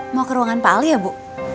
mau ke ruangan pak ali ya bu